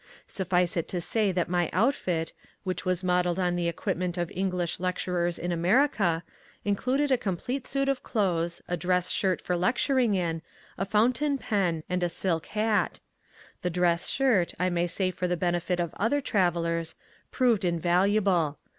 Suffice it to say that my outfit, which was modelled on the equipment of English lecturers in America, included a complete suit of clothes, a dress shirt for lecturing in, a fountain pen and a silk hat. The dress shirt, I may say for the benefit of other travellers, proved invaluable.